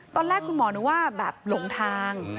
ตอนแรกคุณหมอนึกว่าแบบหลงทาง